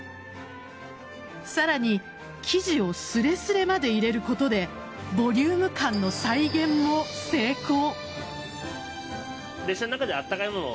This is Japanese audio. さらに生地をすれすれまで入れることでボリューム感の再現も成功。